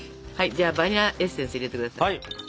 じゃあバニラエッセンス入れて下さい。